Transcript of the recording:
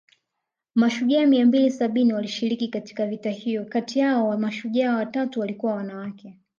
Mashujaa mia mbili sabini walioshiriki katika vita hiyo kati yao mashujaa watatu walikuwa wanawake